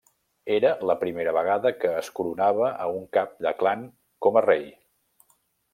Era la primera vegada que es coronava a un cap de clan com a rei.